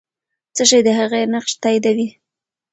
څه شی د هغې نقش تاییدوي؟